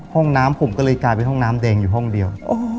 ห้องน้ำผมก็เลยกลายเป็นห้องน้ำแดงอยู่ห้องเดียว